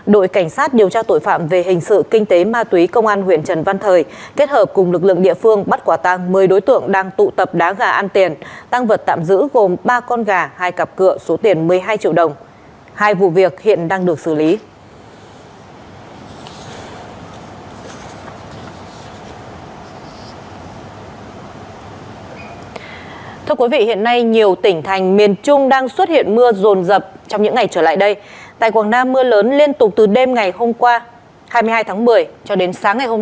đội cảnh sát điều tra tội phạm về hình sự kinh tế ma túy công an huyện trần văn thời tỉnh cà mau phối hợp cùng công an xã lợi an đã bao vây và bắt quả tang nhiều đối tượng đang tham gia lắc bầu cua an tiền tại phần đất chống